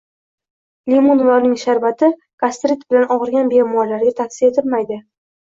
Limon va uning sharbati gastrit bilan og‘rigan bemorlarga tavsiya etilmaydi.